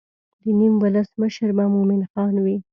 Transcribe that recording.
د نیم ولس مشر به مومن خان وي.